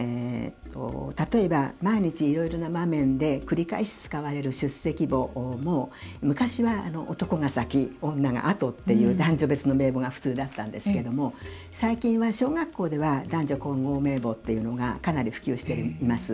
例えば、毎日いろいろな場面で繰り返し使われる出席簿も昔は男が先、女が後という男女別の名簿が普通だったんですけども最近は、小学校では男女混合名簿というのがかなり普及しています。